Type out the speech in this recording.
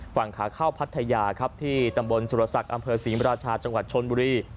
ฝั่งขาเข้าพัทยาครับที่ตำบลสุรศักดิ์อำเภอศรีมราชาจังหวัดชนบุรี